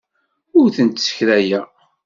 Ur tent-ssekrayeɣ.